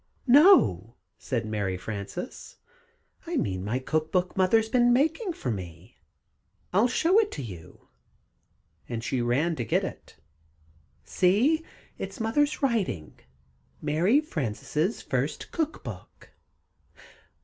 "No," said Mary Frances, "I mean my cook book Mother's been making for me. I'll show it to you," and she ran to get it. "See! in Mother's writing 'Mary Frances' First Cook Book!'"